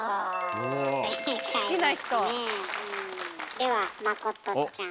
ではまことちゃん。